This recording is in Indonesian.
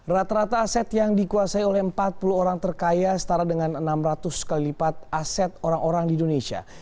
rata rata aset yang dikuasai oleh empat puluh orang terkaya setara dengan enam ratus kali lipat aset orang orang di indonesia